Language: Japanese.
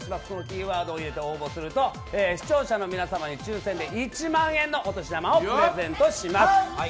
そのキーワードを入れて応募すると視聴者の皆様に抽選で１万円のお年玉をプレゼントします。